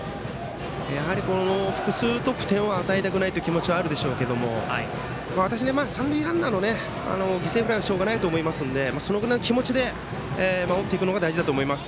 この複数得点を与えたくないという気持ちはあるでしょうけど三塁ランナーの犠牲フライはしょうがないと思いますのでそのぐらいの気持ちで守っていくのが大事だと思います。